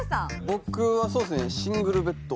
僕はそうですね『シングルベッド』。